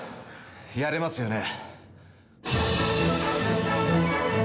やれますよね？